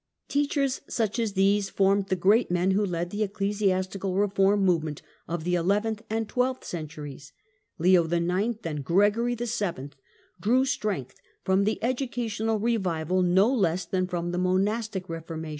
Teachers such as these formed the great men who led the ecclesiastical reform movement of the eleventh and twelfth centuries. Leo IX. and Gregory VII. drew strength from the educational revival no less truly than from the monastic reformation.